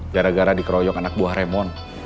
gara gara dikeroyok anak buah remon